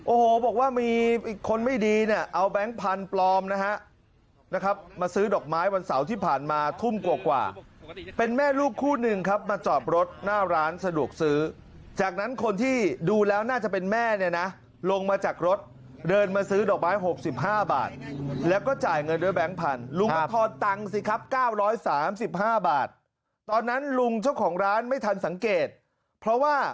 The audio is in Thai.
โอ้โหบอกว่ามีคนไม่ดีเนี่ยเอาแก๊งพันธุ์ปลอมนะฮะนะครับมาซื้อดอกไม้วันเสาร์ที่ผ่านมาทุ่มกว่าเป็นแม่ลูกคู่หนึ่งครับมาจอดรถหน้าร้านสะดวกซื้อจากนั้นคนที่ดูแล้วน่าจะเป็นแม่เนี่ยนะลงมาจากรถเดินมาซื้อดอกไม้๖๕บาทแล้วก็จ่ายเงินด้วยแก๊งพันธลุงก็ทอนตังค์สิครับ๙๓๕บาทตอนนั้นลุงเจ้าของร้านไม่ทันสังเกตเพราะว่า